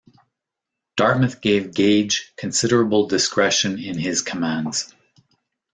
Dartmouth gave Gage considerable discretion in his commands.